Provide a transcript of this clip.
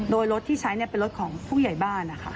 โดยรถที่ใช้เป็นรถของผู้ใหญ่บ้านนะคะ